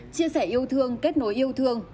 chia sẻ yêu thương kết nối yêu thương